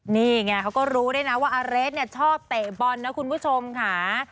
นี่ไงเขาก็รู้ด้วยนะว่าอาเรสเนี่ยชอบเตะบอลนะคุณผู้ชมค่ะ